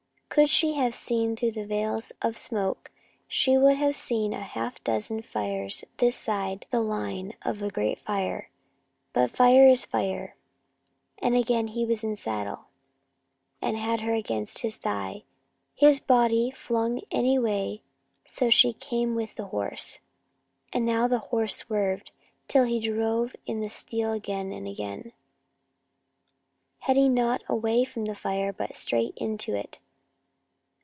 Could she have seen through the veils of smoke she would have seen a half dozen fires this side the line of the great fire. But fire is fire. Again he was in saddle and had her against his thigh, his body, flung any way so she came with the horse. And now the horse swerved, till he drove in the steel again and again, heading him not away from the fire but straight into it!